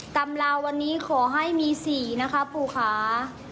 ตำราววันนี้ขอให้มีสี่นะคะปูขา